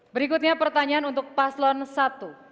berikutnya pertanyaan untuk paslon satu